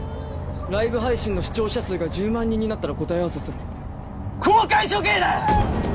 ライブ配信の視聴者数が１０万人になったら答え合わせする公開処刑だ！